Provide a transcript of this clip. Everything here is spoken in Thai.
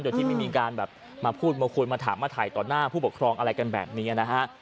โดยที่ไม่มีการแบบมาพูดมาคุยมาถามมาถ่ายต่อหน้าผู้ปกครองอะไรกันแบบนี้นะฮะ